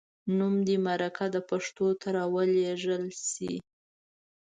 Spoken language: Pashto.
نوم دې مرکه د پښتو ته راولیږل شي.